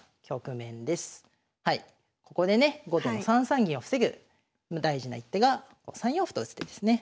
ここでね後手の３三銀を防ぐ大事な一手が３四歩と打つ手ですね。